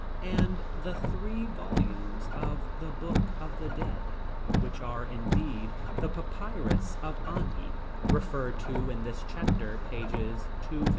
and the three volumes of the Book of the Dead, which are, indeed, the Papyrus of Ani, referred to in this chapter, pages 255 258.